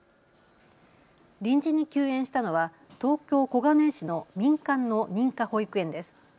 臨時に休園したのは東京小金井市の民間の認可保育園です。